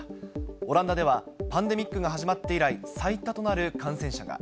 オランダでは、パンデミックが始まって以来最多となる感染者が。